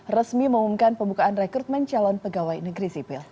resmi mengumumkan pembukaan rekrutmen calon pegawai negeri sipil